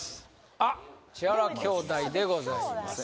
あっ千原兄弟でございます